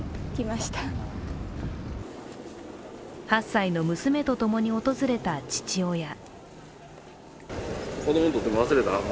８歳の娘とともに訪れた父親。